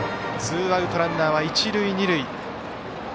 ツーアウトランナーは一塁二塁。